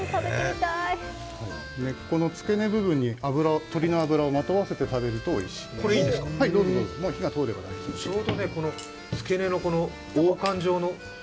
根っこのつけ根部分に鶏の脂をまとわせて食べるとちょうどいい。